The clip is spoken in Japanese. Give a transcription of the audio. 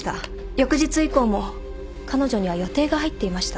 翌日以降も彼女には予定が入っていました。